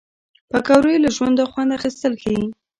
پکورې له ژونده خوند اخیستل ښيي